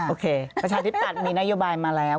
โอเคประชาชนิตปัดมีนโยบายมาแล้ว